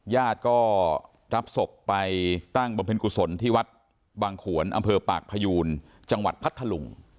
ญาติก็รับศพไปตั้งบำเพ็ญกุศลที่วัดบางขวนอำเภอปากพยูนจังหวัดพัทธลุง